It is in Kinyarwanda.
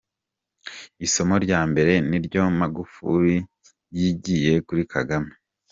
Isomo rya mbere n’iryo Magufuli yigiye kuri Kagame.